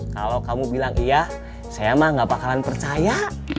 kalau kamu bilang iya saya mah gak bakalan percaya